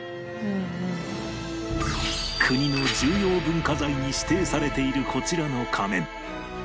国の重要文化財に指定されているこちらの仮面